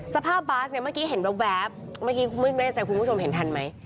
สภาพบาสเนี่ยเมื่อกี้เห็นแว๊บเมื่อกี้ไม่แน่ใจคุณผู้ชมเห็นทันไหม